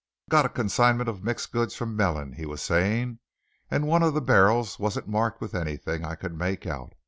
"Got a consignment of mixed goods from Mellin," he was saying, "and one of the barrels wasn't marked with anything I could make out.